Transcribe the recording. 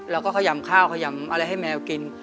ขยำข้าวขยำอะไรให้แมวกิน